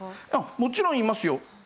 もちろんいますよ。